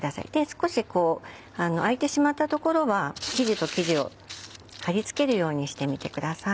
少しこう空いてしまった所は生地と生地を張りつけるようにしてみてください。